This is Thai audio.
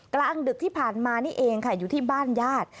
กลางดึกที่ผ่านมานี่เองค่ะอยู่ที่บ้านญาติ